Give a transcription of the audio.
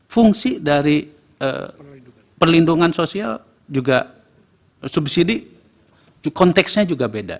fungsi dari perlindungan sosial juga subsidi konteksnya juga beda